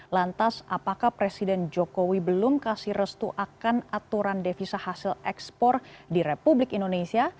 lantas apakah presiden jokowi belum kasih restu akan aturan devisa hasil ekspor di republik indonesia